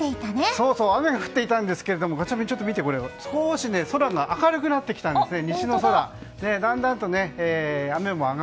そうそう雨が降っていたんですけども少し空が明るくなってきたんですね。